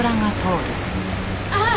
ああ！